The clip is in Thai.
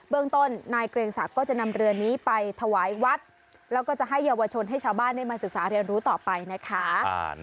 เรื่องต้นนายเกรงศักดิ์ก็จะนำเรือนี้ไปถวายวัดแล้วก็จะให้เยาวชนให้ชาวบ้านได้มาศึกษาเรียนรู้ต่อไปนะคะ